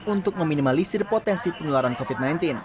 untuk meminimalisir potensi penularan covid sembilan belas